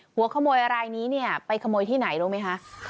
หัวขโมยอะไรนี้เนี่ยไปขโมยที่ไหนรู้ไหมคะ